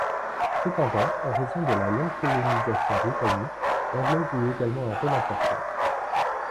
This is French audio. Cependant, en raison de la longue colonisation britannique, l’anglais joue également un rôle important.